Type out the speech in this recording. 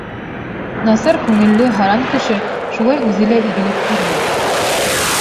Насар күңелле, һаран кеше шулай үҙе лә игелек күрмәй.